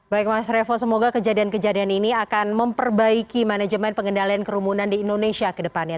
baik mas revo semoga kejadian kejadian ini akan memperbaiki manajemen pengendalian kerumunan di indonesia ke depannya